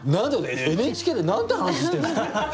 ＮＨＫでなんて話してんすか。